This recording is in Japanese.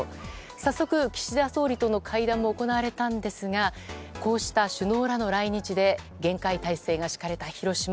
早速、岸田総理との会談も行われたんですがこうした首脳らの来日で厳戒態勢が敷かれた広島。